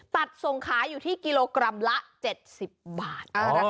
ตัดส่งขายอยู่ที่กิโลกรัมละ๗๐บาท